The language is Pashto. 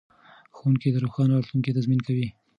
ښوونکي د روښانه راتلونکي تضمین کوي.